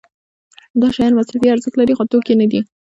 دا شیان مصرفي ارزښت لري خو توکي نه دي.